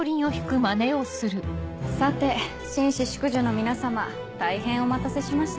さて紳士淑女の皆様大変お待たせしました。